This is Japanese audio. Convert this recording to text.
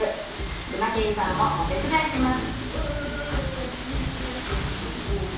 熊切さんもお手伝いします。